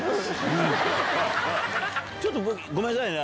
ちょっとごめんなさいね。